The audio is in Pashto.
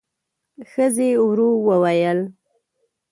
ښځې ورو وويل: